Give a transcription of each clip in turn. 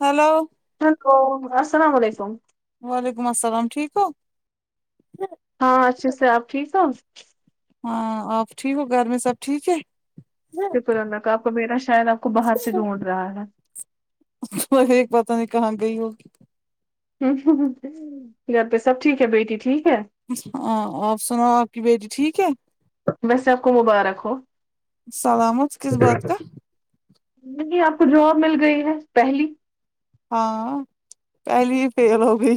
Hello hello السلام علیکم وعلیکم السلام ٹھیک ہو ہاں اچھے سے آپ ٹھیک ہو ہاں آپ ٹھیک ہو گھر میں سب ٹھیک ہے شکر اللہ کا آپ کا میرا شار آپ کو باہر سے ڈھونڈ رہا ہے میں پتا نہیں کہاں گئی ہوگ گھر پہ سب ٹھیک ہے بیٹی ٹھیک ہے ہاں آپ سناو آپ کی بیٹی ٹھیک ہے ویسے آپ کو مبارک ہو سلامت کس بات کا نہیں آپ کو جاب مل گئی ہے پہلی ہاں پہلی فیل ہو گئی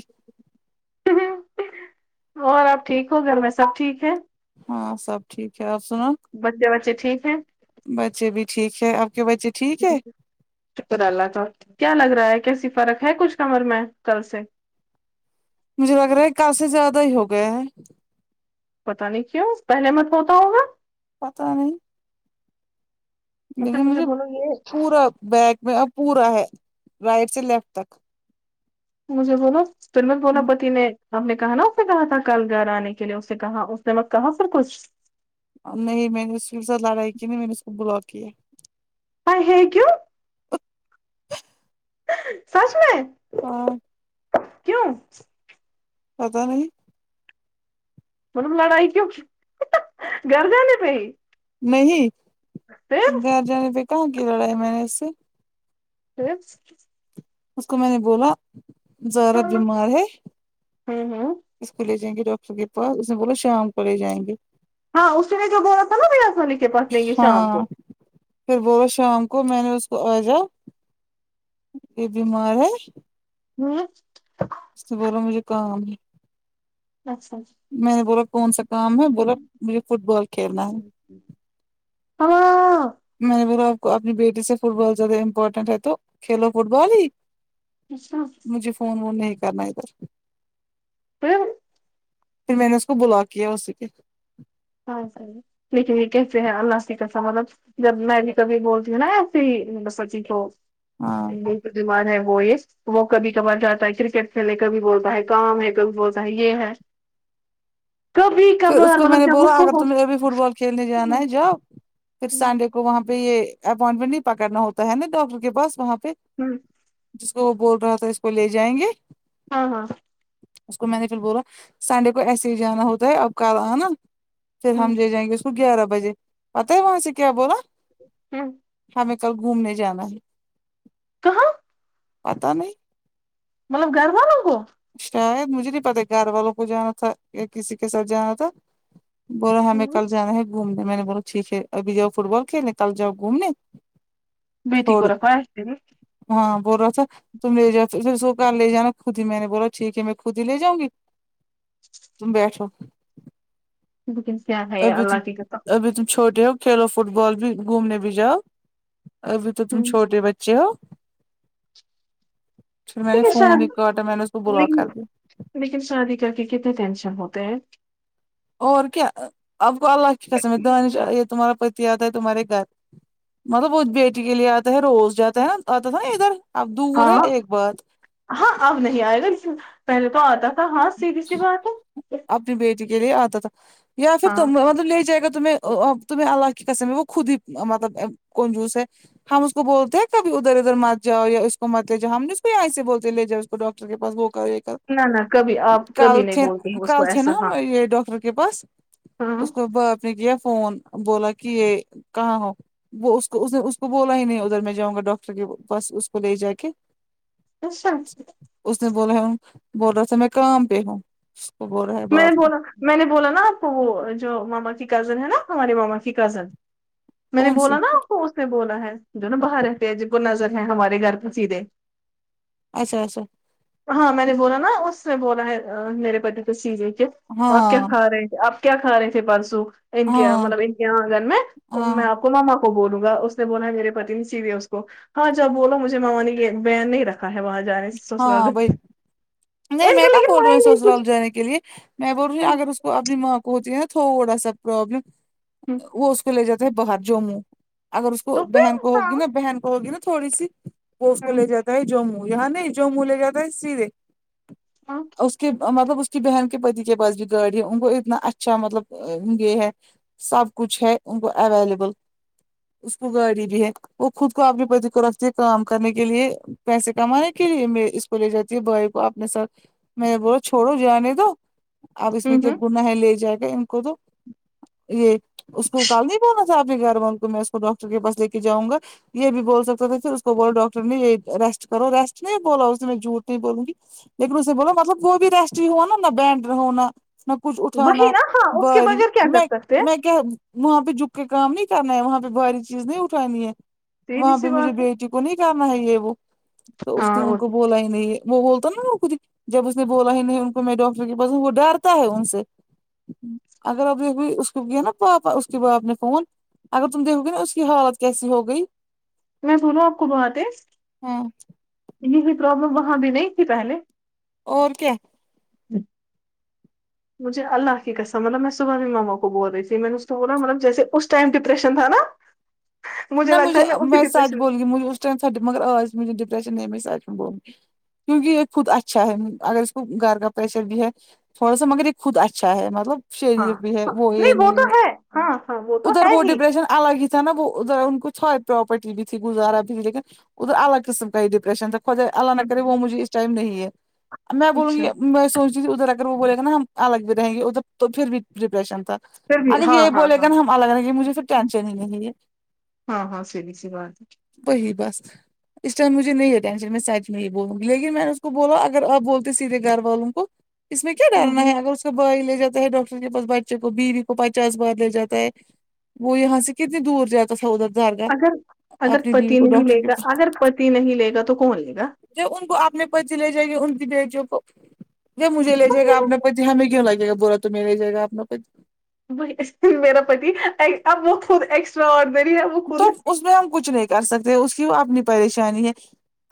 اور آپ ٹھیک ہو گھر میں سب ٹھیک ہے ہاں سب ٹھیک ہے اور سناو بچے بچے ٹھیک ہے بچے بھی ٹھیک ہے آپ کے بچے ٹھیک ہے شکر اللہ تو کیا لگ رہا ہے کیسی فرق ہے کچھ کمر میں کل سے مجھے لگ رہا ہے کہ کل سے زیادہ ہی ہو گئے ہیں پتا نہیں کیوں پہلے مت ہوتا ہوگا پتا نہیں اچھا لیکن مجھے بولو یہ پورا بیک میں پورا ہے رائٹ سے لیفٹ تک مجھے [unintelligible] ب نو سرمت بونا پتی نے ہم نے کہا نا اسے کہا تھا کل گھر آنے کے لیے اسے کہا اس نے مت کہا پھر کچھ نہیں میں نے اس کی ساتھ لڑائی کی نہیں میں نے اس کو بلاکی ہے آیے ہیے کیو سچ میں ہاں کیوں پتا نہیں مطلب لڑائی کیوں گر جہانی پئی نہیں گھر جانے پہ کہاں کی لڑائی میں نے اس سے [unintelligible] اس کو میں نے بولا زہرا ہمم بیمار ہے ہمم اس کو لے جائیں گے ڈاکٹر کی بس اس نے بولا شام کو لے جائیں گے ہاں [unintelligible] اسشنے ج بول س ن پ آ سنے ہاں پھر بولو شام کو میں نے اس کو آجا یہ بیمار ہے ہوں اس نے بولا مجھے کام ہے اچھا میں نے بولا کون سا کام ہے بولا مجھے فٹ بال کھیلنا ہے [unintelligible] میں نے بولا آپ کو اپنی بیٹی سے فٹ بال زیادہ امپورٹنٹ ہے تو کھیلو فٹ بال ہی اچھا مجھے فون وون نہیں کرنا ادھر پھر پھر میں نے اس کو بلاک کیا اسی پہ ہاں صحیح لیکن یہ کیسے ہیں اللہ کی قسم مطلب جب میں بھی کبھی بولتی ہوں نا ایسی سچی کو ہاں بیمار ہے وہ یہ وہ کبھی کبار جاتا ہے کرکٹ کھیلے کبھی بولتا ہے کام ہے کبھی بولتا ہے یہ ہے کبھی پھر اس کھبار کو میں مطلب نے کیا بو بولا اگر تمہیں بھی فٹ بال کھیلنے جانا ہے جاؤ پھر سانڈے کو وہاں پہ یہ اپوائنٹمنٹ نہیں پکڑنا ہوتا ہے نا ڈاکٹر کے پس وہاں پہ ہوں جس کو وہ بول رہا تھا اس کو لے جائیں گے ہاں ہاں اس کو مینیجر بول رہا سنڈے کو ایسے ہی جانا ہوتا اب کل آنا پھر ہم لے جائیں گے اس کو گیارہ بجے پتا ہے وہاں سے کیا بولا ہوں ہمیں کل گھومنے جانا ہے کہاں پتا نہیں مطلب گھر والوں کو شاید مجھے نہیں پتا گھر والوں کو جانا تھا یا کسی کے ساتھ جانا تھا بولا ہمیں کل جانا ہے گھومنے میں نے بولا ٹھیک ہے ابھی جاؤ فٹ بال کھیلے کل جاؤ گھومنے بیٹی چھوڑ کو رکھا ہے پھر ہاں بول رہا تھا تم لے جاؤ اس کو لے جانا خود ہی میں نے بولو ٹھیک ہے میں خود ہی لے جاؤں گی تم بیٹھو بکنگس کیا ہے ابھی تم اللہ کی قسم ابھی تم چھوٹے ہو کھیلو فٹ بال بھی گھومنے بھی جاؤ ابھی تو تم چھوٹے بچ چے ہو پھر میں نے لیکن فون ہی شادی کاٹا میں نے اس کو بلاک کر لیکن دیا لیکن شادی کر کے کتنے ٹینشن ہوتے ہیں اور کیا آپ کو اللہ کی قسم ہے دانش یہ تمہارا پتی آتا ہے تمہارے گھر مطلب وہ بیٹی کے لیے آتا ہے روز جاتا ہے آتا تھا نا ادھر اب دور ہاں ہے ایک بات ہاں اب نہیں آئے گا پہلے تو آتا تھا ہاں سیدھی سی بات ہے اپنی بیٹی کے لیے آتا تھا یا پھر ہاں تم مطلب لے جائے گا تمہیں اب تمہیں اللہ کی قسم وہ خود ہی مطلب کنجوس ہے ہم اس کو بولتے ہیں کبھی ادھر ادھر مت جاؤ یا اس کو مت لے جا ہم اس کو یہاں سے بولتے لے جا ڈاکٹر کے پس وہ کا ایک نہ نہ کبھی آپ کبھی نہیں بولتے ہیں اس کو گئے تھے نا ایسا ہاں ہم یہ ڈاکٹر کے پاس ہاں اس کو باپ نے کیا فون بولا کہ یہ کہاں ہو وہ اس کو اس نے اس کو بولا ہی نہیں ادھر میں جاؤں گا ڈاکٹر کی بس اس کو لے جا کے اشنت اس نے بولا ہے بول رہا تھا میں کام پہ ہوں اس کو برہ ہے میں باپ نے کو بولا میں نے بولا نا آپ وہ جو ماما کی کزن ہے نا ہمارے ماما کی کزن میں نے کون سی بولا نا آپ کو اس نے بولا ہے جو نا باہر رہتے ہیں جن کو نظر ہے ہمارے گھر پہ سیدھے اچھا اچھا ہاں میں نے بولا نا اس میں بولا ہے میرے پتی تو چیزیں کے آپ کیا ہاں کھا رہے تھے آپ کیا کھا رہے تھے پرسو ان کے ہاں مطلب ان کے آنگن میں تو ہاں میں ک ماما کو بولوں گا اس نے بولا ہے میرے پتی نہیں سیوے اس کو ہاں جب بولو مجھے مما نی کی بین نہیں رکھا ہے وہاں جانے سے سسر ہاں بھائی نہیں میں کہاں بول رہی ہوں سسرال جانے کے لیے میں بول رہی ہوں اگر اس کو اپنی ماں کو ہوتی ہے تھوڑا سا پرابلم ہوں وہ اس کو لے جاتا ہے باہر جموں اگر اس کو تو بہن کو پھر ہاں ہوگی نا بہن کو ہوگی نا تھوڑی سی وہ اس کو لے جاتا ہے جموں یہاں نہیں جموں لے جاتا ہے سیدھے ام اس کے مطلب اس کی بہن کے پتی کے پاس بھی گاڑی ہے ان کو اتنا اچھا مطلب یہ ہے سب کچھ ہے ان کو اویلیبل اس کو گاڑی بھی ہے وہ خود کو آپکے پتی کو رکھتی ہے کام کرنے کے لیے پیسے کمانے کے لیے م اسکو لے جاتی ہے بھائی کوآ پ سر میں نے بولا چھوڑو جانے دو آپ اس میں ہوں کیا ہوں گناہ ہے لے جاکے ان کو دو یہ اس کو کال نہیں پانا تھا آپ کے گھر والوں کو میں اس کو ڈاکٹر کے پاس لے کے جاؤں گا یہ بھی بول سکتا تھا پھر اس کو بولو ڈاکٹر نے یہ ریسٹ کرو ریسٹ نہیں بولا اس نے میں جھوٹ نہیں بولوں گی لیکن اس نے بولامطلب وہ بھی ریسٹ ہی ہوا نا نہ بینڈر ہونا میں کچھ وہی اٹھانا نا ہاں اس کے باری بغیر کیا کر میں سکتے ہیں میں کیا وہاں پہ جھک کے کام نہیں کرنا ہے وہاں پہ بھاری چیز نہیں اٹھانی ہے سیدھی وہاں پہ سی مجھے بات ہے بیٹی کو نہیں کرنا ہے یہ وہ تو اس نے ہاں ان اور کو بولا ہی نہیں یہ وہ بولتا نا وہ خودہی جب اس نے بولا ہی نہیں ان کو میں ڈاکٹر کے پاس ہوں وہ ڈرتا ہے ان سے اگر اب د بھی اس کو کیا نا پاپا اس کے باپ نے فون اگر تم دیکھو گے نا اس کی حالت کیسی ہوگئی میں سنوں آپ کو باتیں ہاں یہ بھی پرابلم وہاں بھی نہیں تھی پہلے اور کیا مجھے اللہ کی قسم مطلب میں صبح سے ماما کو بول رہی تھی میں نے اسکو بولا ملب جیسے اس ٹائم ڈپریشن تھا نا نہ لگتا مجھے ہے اسی میں سچ ڈپریشن میں، بولوں گی مجھے اس ٹائم تھا مگر آج مجھے ڈپریشن نہیں ہے میں سچ میں بولوں گی کیونکہ یہ خود اچھا ہے اگر اس کو گھر کا پریشر بھی ہے تھوڑا سا مگر یہ خود اچھا ہے مطلب ہاں شریف بھی ہے ہاں وہ یہ نہیں تو ہے ہاں ہاں تو ادھر ہے وہ ہی ڈپریشن الگ ہی تھا نا وہ ادھر ان کوتھا پراپرٹی بھی تھی گزارا بھی لیکن ادھر الگ قسم کا ہی ڈپریشن تھا اللہ نہ ہوں کرے وہ مجھے اس ٹائم نہیں ہے اب میں بولوں اچھا گی میں سوچ ج ادھر اگر وہ بولے گا ہم الگ بھی رہیں گے ادھر تو پھر بھی ڈپریشن تھا پھر بھی اگر ہاں یہ ہاں بولے گا ہاں نا ہم الگ رہے مجھے پھر ٹینشن ہی نہیں یہ ہاں ہاں سیدھی سی بات ہے وہی بس اس ٹائم مجھے نہیں ہے ٹینشن میں سچ میں ہی بولوں گی لیکن میں نے اس کو بولا اگر آپ بولتے سیدھے گھر والوں کو اس میں کیا ہاں ڈر نا ہاں ہے اگراس کا بھائی لے جا تا ہے ڈاکٹر کے پاس بچے کو بیوی کو پچاس بار لے جاتا ہے وہ یہاں سے کتنی دور جاتا تھا ادھر دارگاہ اگر اگر اپنی بیوی پتی کو نہیں ڈاکٹر لے کے گا پاس اگر پتی نہیں لے گا تو کون لے گا ج ان کو اپنے پتی لے جائیں گے ان کی بیٹیوں کو جب مجھے لے جائے گا اپنا پتی ہمیں کیوں لگے گا بر ا تمہیں لےجائے گا اپنا پتی وہی اس دن میرا پتی ائی اب وہ خود ایکسٹرا آرڈنری ہے وہ خود تو نہیں- اس میں ہم کچھ نہیں کر سکتے اس کی وہ اپنی پریشانی ہے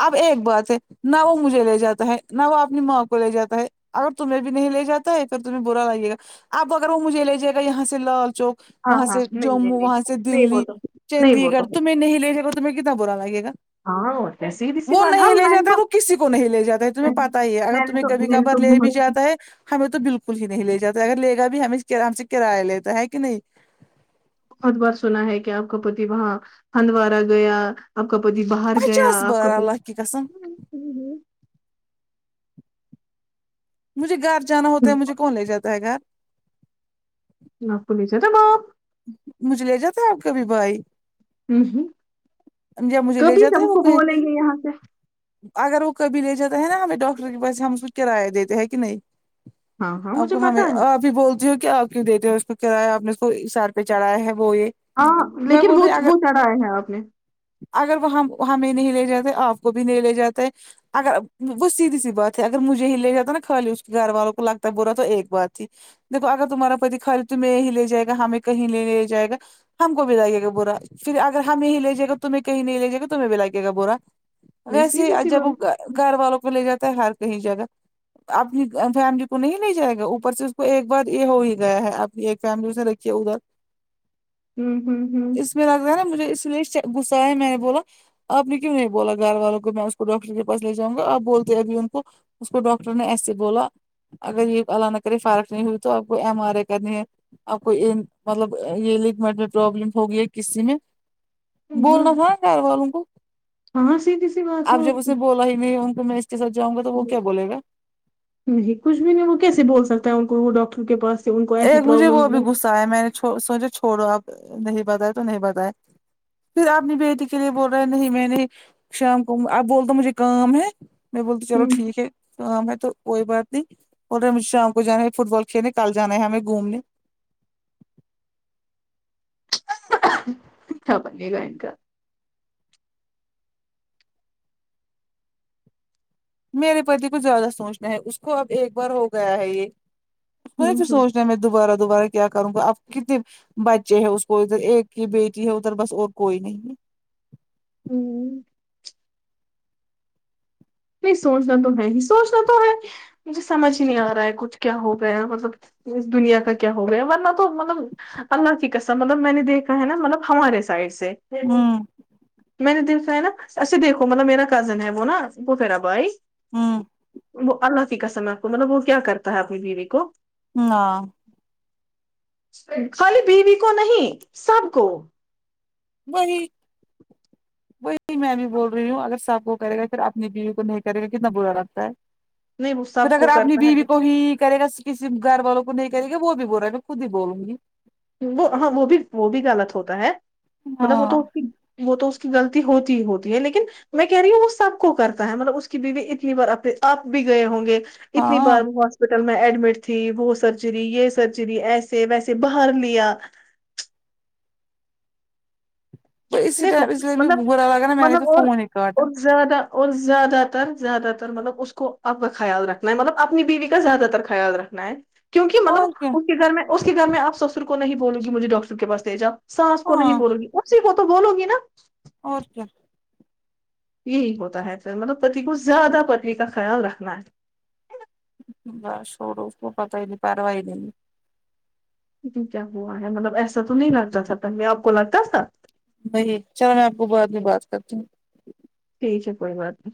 اب ایک بات ہے نہ وہ مجھے لے جاتا ہے نہ وہ اپنی ماں کو لے جاتا ہے اگر تمہیں بھی نہیں لے جاتا ہے پھر تمہیں برا لگے گااب اگر وہ مجھے لے جاۓ گا یہاں سے لال چوک ہاں وہاں ہاں سے نہیں نہیں جموں نہیں وہاں سے نہیں وہ دلی تو نہیں وہ چندی تو گڑھ تمھیں نہیں لےجا ۓ گا تمھیں کتنا برا لگےگا ہاں اور کیا سیدھی سی وہ بات ہاں نہیں لے میں نے جاتا ہے تو کسی کو نہیں لے جاتا ہے تمہیں میں پتہ ہی ہے اگر میں نے تمہیں تو کبھی میں نے کبھار تو لے بھی بہت جاتا ہے ہے ہمیں تو بالکل ہی نہیں لے جاتا اگر لے گا بھی ہمیں ہم سے کرایہ لیتا ہے کہ نہیں بہت بار سنا ہے کہ آپ کا پتی وہاں ہندوارہ گیا کا پتی باہر گیا پچاس آپ بار کا پتی اللہ کی قسم مجھے گھر جانا ہوتا ہے مجھے ہم، کون لے جاتا ہے گھر آپ کو لے جاتا ہے باہر مجھے لے جاتا ہے آپکا بھی بھائی ہم، جب مجھے لے کبھی جاتا ہے ہم وہ کو کہیں بولیں گے یہاں سے اگر وہ کبھی لے جاتا ہے نا ہمیں ڈاکٹر کے پاس ہم اس کو کرایہ دیتے ہیں کہ نہیں ہاں ہاں آپ مجھے کو ہمیں پتا ہے آپ ہی بولتی ہو کہ آپ کیوں دیتے ہو اس کو کرایہ آپ نے اس کو بیچارہ ہے وہ یہ ہاں میں لیکن بول وہ رہی اگر وہ چڑھایا ہے آپ نے اگر وہ ہم ہمیں نہیں لے جاتے آپ کو بھی نہیں لے جاتے اگر وہ سیدھی سی بات ہے اگر مجھے ہی لے جاتا نا خالی اس کے گھر والوں کو لگتا برا تو ایک بات ہی دیکھو اگر تمہارا پتی خالی تمہیں یہیں لے جائے گا ہمیں کہیں نہیں لے جائے گا ہم کو بھی لگے گا برا پھر اگر ہمیں ہی لجیے گا تمہیں کہیں نہیں لے جے گا تمہیں بھی لاگے گا برا میں ویسے ہی سیدھی ا سی جب بات گھر والوں کو لے جاتا ہے ہر کہیں جگہ اپنی فیملی کو نہیں لے جائے گا اوپر سے اس کو ایک بار یہ ہو ہی گیا ہے اپنی ایک فیملی اس نے رکھی ہے ادھر ہوں ہوں ہوں اس میں [unintelligible] لگ رہ ہے نا مجھے اس لیے غصہ آیا میں نے بولا آپ نے کیوں نہیں بولا گھر والوں کو میں اس کو ڈاکٹر کے پاس لے جاؤںنگا آپ بولتے ابھی ان کو اس کو ڈاکٹر نے ایسے بولا اگر یہ الله نا کرے فارق نہیں ہوئی تو آپ کو ایم آر اے کرنی ہے آپ کو مطلب یہ لگمٹ میں پروابلم ہوگیا کسی میں ہوں بولنا تھا گھر والوں کو ہاں ںسیدھی سی بات ہے اب اور جب اس نے بولا ہی نہیں ان کو میں اس کے ساتھ جاں گا تو وہ کیا بولے گا نہیں کچھ بھی نہیں وہ کیسے بول سکتا ہے ان کو وہ ڈاکٹر کے پاس سے ان کو اے ایسی مجھے پرابلم وہ بھی ہے۔ غصہ اے میں نے سوچا چھوڑو اب نہیں بتائے تو نہیں بتائے پھر اپنی بیٹی کے لیے بول رہے نہیں میں نے شام کو اب بول دو مجھے کام ہے میں بولتی چلو ہوں ٹھیک ہے میں تو کوئی بات نہیں بول رہا بے مجھے شام کو جانا ہے فٹ بال کھیلنے کل جانا ہے ہمیں گھومنے ھا بنے لاے گا میرے پتی کو زیادہ سوچنا ہے اس کو اب ایک بار ہو گیا ہے یہ کوئی ہوں پھر ہوں سوچنا میں دوبارہ دوبارہ کیا کروں گا آپ کتنی بچے ہے اس کو ادھر ایک ہی بیٹی ہے ادھر بس اور کوئی نہیں ہوں پھر سوچنا تو ہے ہی سوچنا تو ہے مجھے سمجھ ہی نہیں آ رہا ہے کچھ کیا ہو گیا مطلب اس دنیا کا کیا ہو گیا ورنہ تو مطلب اللہ کی قسم مطلب میں نے دیکھا ہے نا مطلب ہمارے سائڈ سے ہوں میں نے دی سو ہے نا ایسے دیکھو مطلب میرا کزن ہے وہ پھپھیرا بھائی ہوں وہ اللہ کی قسم آپ کو مطلب وہ کیا کرتا ہے اپنی بیوی کو ہاں خالی بیوی کو نہیں سب کو وہی وہی میں بھی بول رہی ہوں اگر سب کو کرے گا پھر اپنی بیوی کو نہیں کرے گا کتنا برا لگتا ہے نہیں وہ پھر سب کو اگر اپنی کرتا ہے بیوی کو ہی کرے گا کسی گھر والوں کو نہیں کرے گا وہ بھی بول رہا ہے میں خود ہی بولوں گی وہ ہاں وہ بھی وہ بھی غلط ہوتا ہے مطلب وہ ہاں تو وہ تو اس کی غلطی ہوتی ہی ہوتی ہے لیکن میں کہہ رہی ہوں وہ سب کو کرتا ہے مطلب اس کی بیوی اتنی بار آپ بھی گئے ہوں گے اتنی بار ہاں وہ ہاسپٹل میں ایڈمٹ تھی وہ سرجری یہ سرجری ایسے ویسے ب بھر لیا اسی دیکھو ٹائم اس لیے بھی مطلب برا لگا نا میں نے تو مطلب فون ہی کاٹا اور زیادہ اور زیادہ تر زیادہ تر مطلب اس کو اب کا خیال رکھنا ہے مطلب اپنی بیوی کا زیادہ تر خیال رکھنا میں کیونکہ مطلب اور کیا اس کے گھر میں اس کے گھر میں آپ سسر کو نہیں بولوں گی مجھے ڈاکٹر کے پاس لے جاو ساس کو نہیں ہاں بولو گی اسی کو تو بولو گی نا اور کیا یہی ہوتا ہے مطلب پتی کو زیادہ پتنی کا خیال رکھنا ہے بس سوڑو اس کو پتہ ہی نہیں پروائی نہی ہے جی کیا ہوا ہے مطلب ایسا تو نہیں لگتا تھا پہلے آپ کو لگتا تھا وہی چلو میں آپ کو بعد میں بات کرتی ہوں ٹھیک ہے کوئی بات نہیں